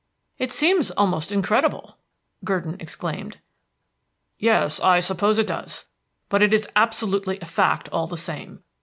"It seems almost incredible," Gurdon exclaimed. "Yes, I suppose it does. But it is absolutely a fact all the same.